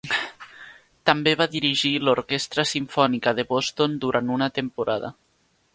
També va dirigir l'Orquestra Simfònica de Boston durant una temporada.